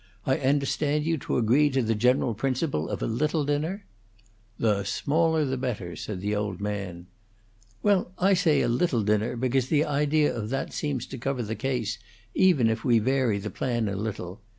"I understand you to agree to the general principle of a little dinner?" "The smaller the better," said the old man. "Well, I say a little dinner because the idea of that seems to cover the case, even if we vary the plan a little.